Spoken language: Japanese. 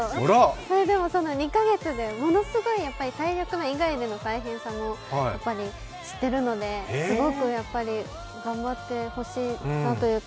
それでも、その２か月でものすごく体力面以外での大変さもやっぱり知ってるのですごく頑張ってほしいなというか。